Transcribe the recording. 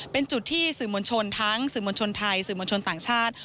เป็นจุดที่สื่อมวลชนทั้งสื่อมวลชนไทยสื่อมวลชนต่างชาติ